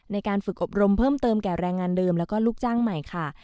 ในการฝึกอบรมเพิ่มเติมแก่แรงงานเดิมแล้วก็ลูกจ้างใหม่ค่ะ